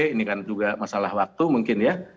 ini kan juga masalah waktu mungkin ya